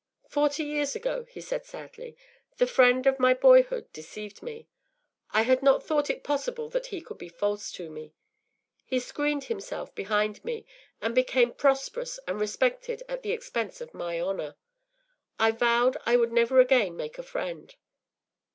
” “Forty years ago,” he said, sadly, “the friend of my boyhood deceived me. I had not thought it possible that he could be false to me. He screened himself behind me, and became prosperous and respected at the expense of my honour. I vowed I would never again make a friend.